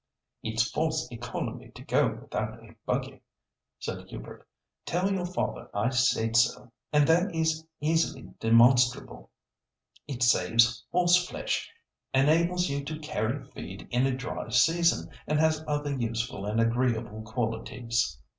"It's false economy to go without a buggy," said Hubert. "Tell your father I said so. And that is easily demonstrable. It saves horse flesh, enables you to carry feed in a dry season, and has other useful and agreeable qualities."